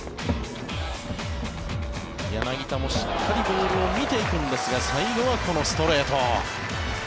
柳田もしっかりボールを見ていくんですが最後はこのストレート。